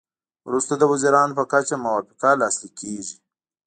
وروسته د وزیرانو په کچه موافقه لاسلیک کیږي